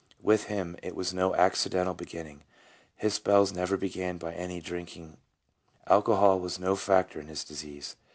" With him it was no accidental beginning — his spells never began by any drinking; alcohol was no factor in his disease.